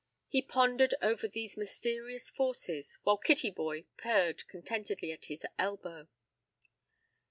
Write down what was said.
He pondered over these mysterious forces, while Kittyboy purred contentedly at his elbow.